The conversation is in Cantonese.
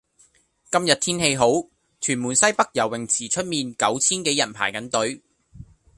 今日天氣好，屯門西北游泳池出面九千幾人排緊隊。